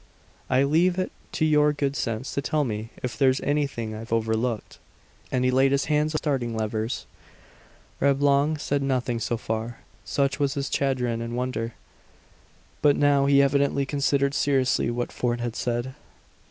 "I leave it to your good sense to tell me if there's anything I've overlooked." And he laid his hands on the starting levers. Reblong said nothing so far, such was his chagrin and wonder. But now he evidently considered seriously what Fort had said.